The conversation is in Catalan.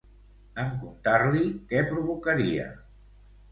En contar-li, què provocaria?